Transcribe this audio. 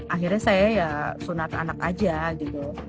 akhirnya saya ya sunat anak aja gitu